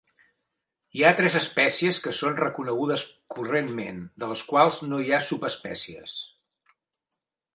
Hi ha tres espècies que són reconegudes correntment, de les quals no hi ha subespècies.